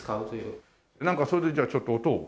なんかそれでじゃあちょっと音を。